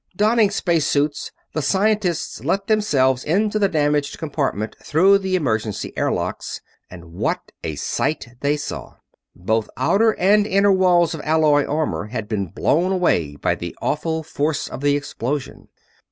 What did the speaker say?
Donning space suits, the scientists let themselves into the damaged compartment through the emergency airlocks, and what a sight they saw! Both outer and inner walls of alloy armor had been blown away by the awful force of the explosion.